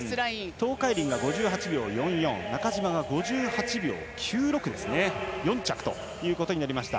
東海林が５８秒４４中島、５８秒９６で４着となりました。